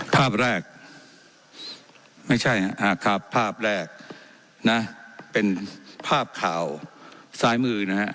ภาพแรกไม่ใช่ฮะอ่าครับภาพแรกนะเป็นภาพข่าวซ้ายมือนะฮะ